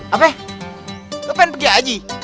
apa lu pengen pergi aja